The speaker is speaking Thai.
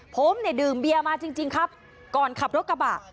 ผมเนี่ยดื่มเบียมาจริงครับก่อนขับรถกระบะ